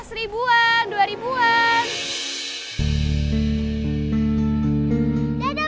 seribuan dua ribuan